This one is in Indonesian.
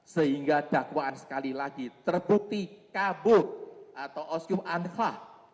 sehingga dakwaan sekali lagi terbukti kabur atau osyum ankhlah